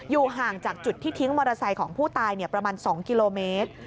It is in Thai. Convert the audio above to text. ห่างจากจุดที่ทิ้งมอเตอร์ไซค์ของผู้ตายประมาณ๒กิโลเมตร